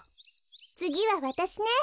つぎはわたしね。